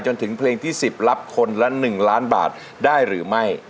จนถึงเพลงที่๑๐รับคนละ๑ล้านบาทได้หรือไม่